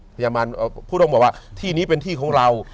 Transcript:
พระยามานพุทธองค์บอกว่าที่นี้เป็นที่ของเรา